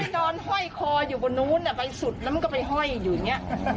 ตอนห้อยคออยู่บนนู้นไปสุดแล้วมันก็ไปห้อยอยู่อย่างนี้